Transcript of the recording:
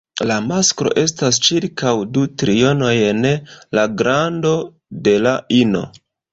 La masklo estas ĉirkaŭ du trionojn la grando de la ino.